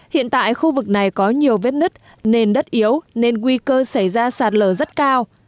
hiện tại khu vực này có nhiều vết nứt nền đất yếu nên nguy cơ xảy ra sạt lở rất cao